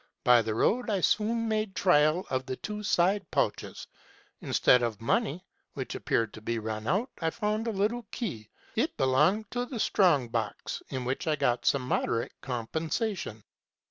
By the road I soon made trial of the two side pouches. Instead of money, which appeared to be run out, I found a little key : it belonged to the strong box, in which I got some moderate compensation.